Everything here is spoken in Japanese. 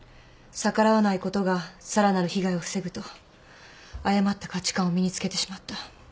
逆らわないことがさらなる被害を防ぐと誤った価値観を身に付けてしまった。